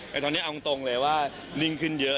แต่ตอนนี้เอาตรงเลยว่านิ่งขึ้นเยอะ